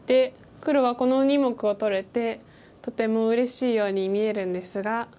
黒はこの２目を取れてとてもうれしいように見えるんですが。